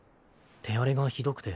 手荒れがひどくて。